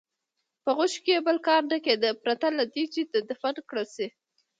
په غوښو یې بل کار نه کېده پرته له دې چې دفن کړل شي.